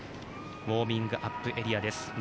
ウォーミングアップエリアです。